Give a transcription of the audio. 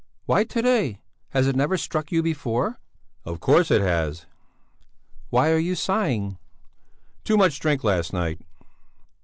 Why to day? Has it never struck you before?" "Of course it has!" "Why are you sighing?" "Too much drink last night!"